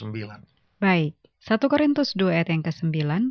baik satu korintus dua ayat yang ke sembilan